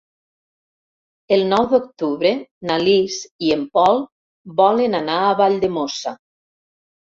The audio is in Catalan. El nou d'octubre na Lis i en Pol volen anar a Valldemossa.